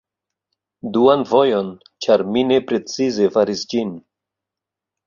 Duan fojon ĉar mi ne precize faris ĝin